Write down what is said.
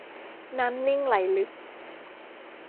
น้ำนิ่งไหลลึก